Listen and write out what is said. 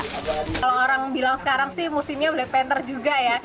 kalau orang bilang sekarang sih musimnya black panther juga ya